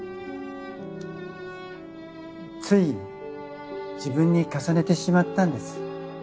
つい自分に重ねてしまったんです。